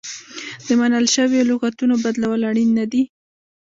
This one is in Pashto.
د منل شویو لغتونو بدلول اړین نه دي.